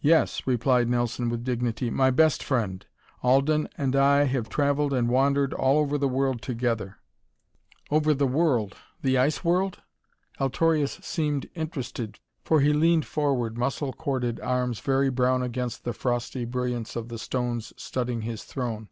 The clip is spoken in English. "Yes," replied Nelson with dignity, "my best friend. Alden and I have traveled and wandered all over the world together." "Over the world? The Ice World?" Altorius seemed interested, for he leaned forward, muscle corded arms very brown against the frosty brilliance of the stones studding his throne.